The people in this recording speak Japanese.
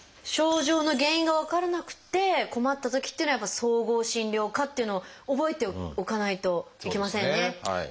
症状の原因が分からなくて困ったときっていうのは総合診療科というのを覚えておかないといけませんね。